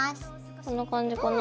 こんな感じかな？